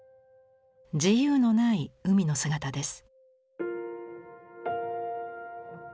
自由のない海の姿です。